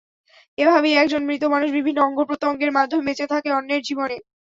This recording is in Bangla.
এভাবেই একজন মৃত মানুষ বিভিন্ন অঙ্গপ্রত্যঙ্গের মাধ্যমে বেঁচে থাকে অন্যের জীবনে।